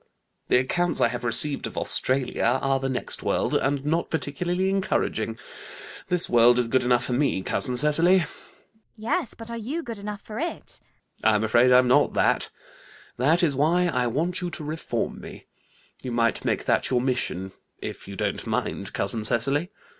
The accounts I have received of Australia and the next world, are not particularly encouraging. This world is good enough for me, cousin Cecily. CECILY. Yes, but are you good enough for it? ALGERNON. I'm afraid I'm not that. That is why I want you to reform me. You might make that your mission, if you don't mind, cousin Cecily.